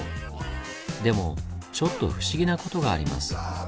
でもちょっと不思議なことがあります。